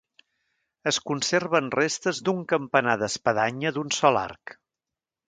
Es conserven restes d'un campanar d'espadanya d'un sol arc.